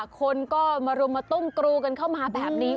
คนก็มารุมมาตุ้มกรูกันเข้ามาแบบนี้